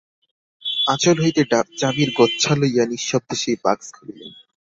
আঁচল হইতে চাবির গোচ্ছা লইয়া নিঃশব্দে সেই বাক্স খুলিলেন।